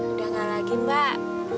udah nggak lagi mbak